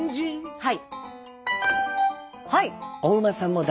はい！